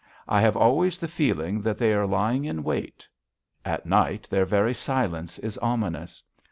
I have always the feeling that they are lying in wait. At night, their very silence is ominous.